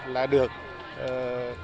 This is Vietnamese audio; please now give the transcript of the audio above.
là được tổ chức